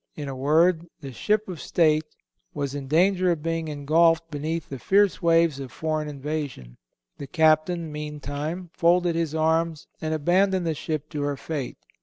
In a word, the ship of state was in danger of being engulfed beneath the fierce waves of foreign invasion. The captain, meantime, folded his arms and abandoned the ship to her fate.